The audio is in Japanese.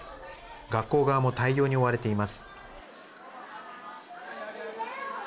学校側も対応に追われています。